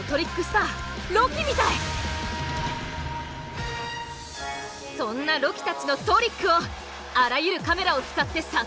そんなロキたちのトリックをあらゆるカメラを使って撮影。